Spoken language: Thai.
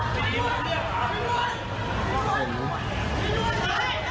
ปล่อยหลายทางหรือไง